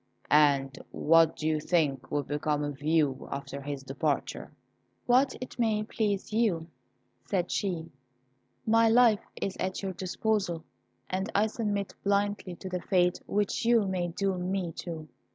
and what do you think will become of you after his departure?" "What it may please you," said she; "my life is at your disposal, and I submit blindly to the fate which you may doom me to."